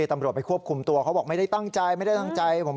ตำรวจไปควบคุมตัวเขาบอกไม่ได้ตั้งใจไม่ได้ตั้งใจ